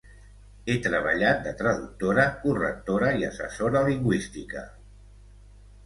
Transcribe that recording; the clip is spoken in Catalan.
He treballat de traductora, correctora i assessora lingüística.